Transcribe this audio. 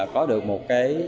có được một cái